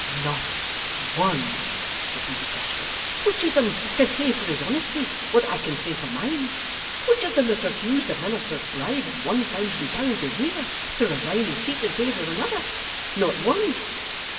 'Not one,' repeated Gashford. 'Which of them can say for his honesty, what I can say for mine; which of them has refused a minister's bribe of one thousand pounds a year, to resign his seat in favour of another? Not one.